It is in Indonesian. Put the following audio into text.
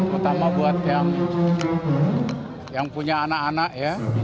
pertama buat yang punya anak anak ya